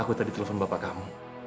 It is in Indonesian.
aku tadi telepon bapak kamu